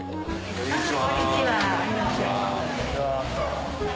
こんにちは。